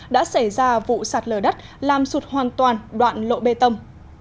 đã xảy ra vụ sạt lở đất làm sụt hoàn toàn đoạn lộ bê tâm